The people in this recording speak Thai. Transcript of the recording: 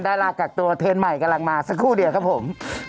ดารากักตัวเทรนด์ใหม่กำลังมาสักครู่เดียวครับผม